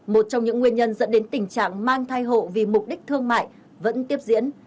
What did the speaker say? một trong những nguyên nhân dẫn đến tình trạng mang thai hộ vì mục đích thương mại vẫn tiếp diễn